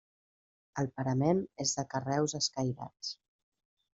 El parament és de carreus escairats.